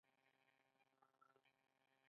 بشري مرستې اقتصاد ته زیان نه رسوي.